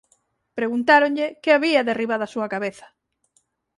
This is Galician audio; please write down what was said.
Preguntáronlle que había derriba da súa cabeza.